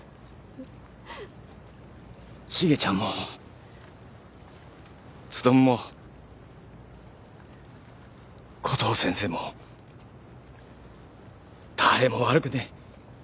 シゲちゃんも努もコトー先生も誰も悪くねえ。